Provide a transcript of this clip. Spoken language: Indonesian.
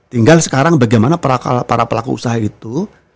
tinggal sekarang bagaimana para pelaku usaha itu